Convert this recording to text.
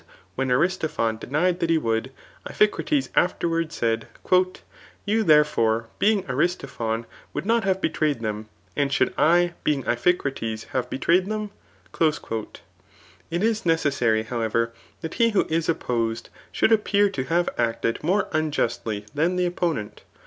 And when Aristophon denied that he would, Iphicmes afterwards said, '^ You therefore being Aristophon would not have betrayed them, and ^ould I being Iphicrates have betrayed them ?" It is necessary^ howeva', that he who is opposed should appear to have acted more unjustly than the opponent